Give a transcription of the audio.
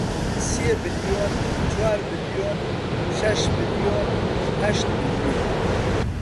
سێ بلیۆن، چوار بلیۆن، شەش بلیۆن، هەشت بلیۆن